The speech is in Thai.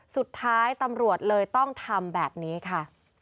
สุดท้ายตำรวจเลยต้องทำแบบนี้ค่ะ